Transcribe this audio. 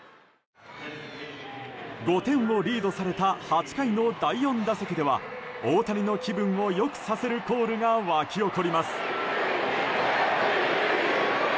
５点をリードされた８回の第４打席では大谷の気分を良くさせるコールが沸き起こります。